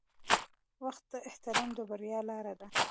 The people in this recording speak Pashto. • وخت ته احترام د بریا لاره ده.